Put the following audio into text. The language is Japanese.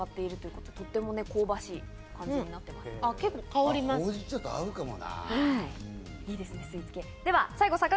ほうじ茶と合うかもな。